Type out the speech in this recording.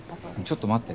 ちょっと待って。